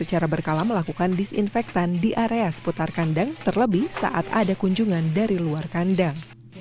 secara berkala melakukan disinfektan di area seputar kandang terlebih saat ada kunjungan dari luar kandang